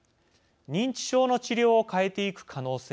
認知症の治療を変えていく可能性。